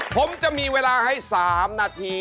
ผมจะมีเวลาให้๓นาที